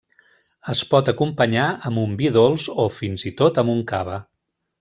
Es pot acompanyar amb un vi dolç o, fins i tot, amb un cava.